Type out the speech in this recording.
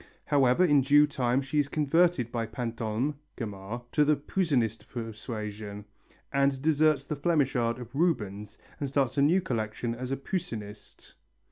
However, in due time she is converted by Pantolme (Gamarre) to the Poussinist persuasion and deserts the Flemish art of Rubens and starts a new collection as a Poussinist.